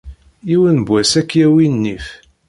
Yiwen n wass, ad k-yawi nnif.